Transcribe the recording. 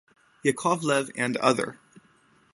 Yakovlev and other.